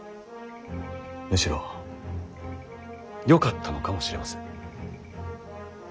むしろよかったのかもしれません。